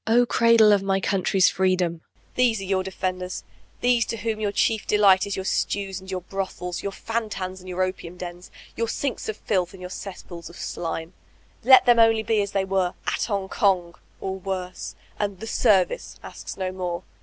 O cradle of my country's freedom 1 These are your defenders, — these to whom your chief delight is your stews and your brothels, your fantans and your opium dens, your sinks of filth and your cesspools of slimel Let them only be as they were "at Hong Kong"— or worse— and "the service" asks no more.